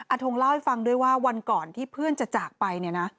ทงเล่าให้ฟังด้วยว่าวันก่อนที่เพื่อนจะจากไปเนี่ยนะ